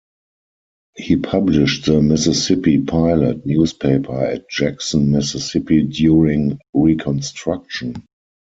He published the "Mississippi Pilot" newspaper at Jackson, Mississippi during Reconstruction.